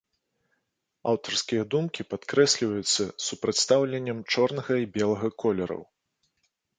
Аўтарскія думкі падкрэсліваюцца супрацьстаўленнем чорнага і белага колераў.